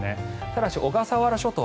ただし小笠原諸島